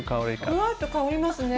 ふわっと香りますね。